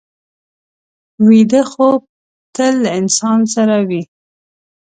ویده خوب تل له انسان سره وي